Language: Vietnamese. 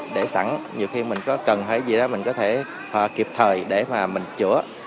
để sẵn nhiều khi mình có cần hay gì đó mình có thể kịp thời để mà mình chữa